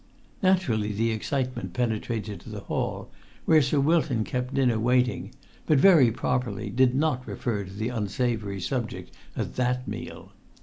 Naturally the excitement penetrated to the hall, where Sir Wilton kept dinner waiting, but, very properly, did not refer to the unsavoury subject at that meal.